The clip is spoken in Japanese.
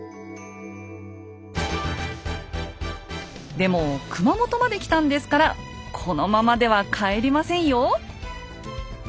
でも熊本まで来たんですからこのままでは帰りませんよ！